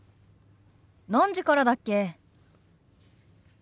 何時からだっけ？